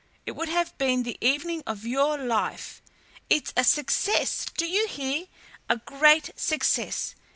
It would have been the evening of your life. It's a success, do you hear? a great success!